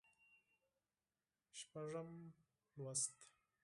شپږم لوست